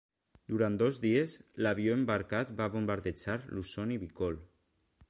Durant dos dies, l'avió embarcat va bombardejar Luzon i Bicol.